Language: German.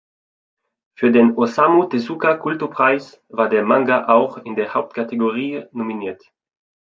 Für den Osamu-Tezuka-Kulturpreis war der Manga auch in der Hauptkategorie nominiert.